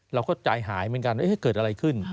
เราก็จ่ายหายเหมือนกันเอ๊ะเกิดอะไรขึ้น